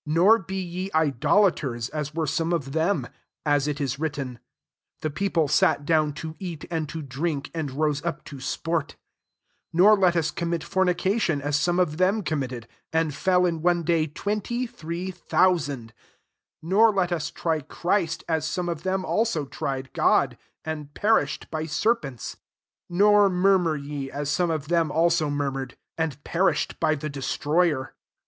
7 Nor be ye idolaters, as were some of them ; as it is written, "The people sat down to eat and to drink, and rose up to sport:'' 8 nor let us commit fornication, as some of them committed, and fell in one day twenty three thousand: 9 nor let us try Christ,* as some of them [alao] tried God ; and pe rished by serpents : 10 nor mur mur ye, as some of them [aUo] murmured; and perished by the destroyer.